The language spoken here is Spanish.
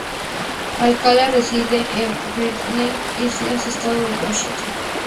Alcalá reside en Bainbridge Island, Estado de Washington.